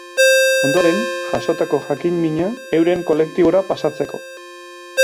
Ondoren, jasotako jakin-mina euren kolektibora pasatzeko.